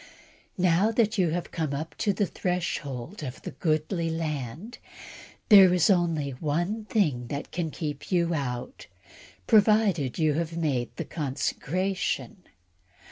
Now that you have come up to the threshhold of the goodly land, there is only one thing which can keep you out, provided you have made the needed consecration.